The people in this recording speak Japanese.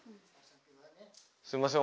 すいません。